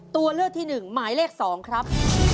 ตัวเลือกที่๑หมายเลข๒ครับ